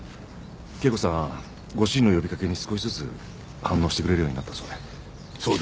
圭子さんご主人の呼びかけに少しずつ反応してくれるようになったそうで。